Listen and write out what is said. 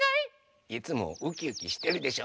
いつもウキウキしてるでしょ！